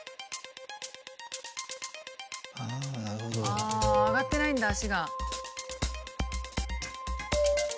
ああ上がってないんだ足が。